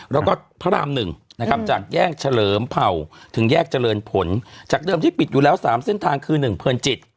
แล้วก็พระราม๑นะครับจากแยกเฉลิมเผ่าถึงแยกเจริญผลจากเดิมที่ปิดอยู่แล้ว๓เส้นทางคือ๑เพลินจิต